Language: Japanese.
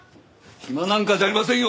暇なんかじゃありませんよ！